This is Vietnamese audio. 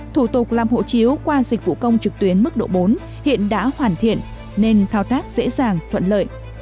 thủ tục làm hộ chiếu qua dịch vụ công trực tuyến mức độ bốn hiện đã hoàn thiện nên thao tác dễ dàng thuận lợi